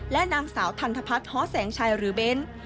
และนางสาวทันทพัฒน์ฮ้อแสงชัยหรือเบ้น